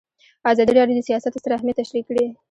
ازادي راډیو د سیاست ستر اهميت تشریح کړی.